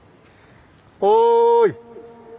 おい！